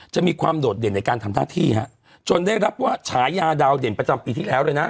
จะมีความโดดเด่นในการทำหน้าที่ฮะจนได้รับว่าฉายาดาวเด่นประจำปีที่แล้วเลยนะ